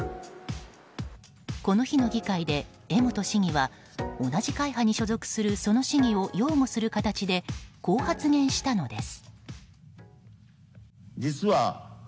この日の議会で江本市議は同じ会派に所属するその市議を擁護する形でこう発言したのです。